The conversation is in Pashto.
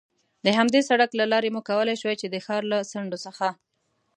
د همدې سړک له لارې مو کولای شوای، چې د ښار له څنډو څخه.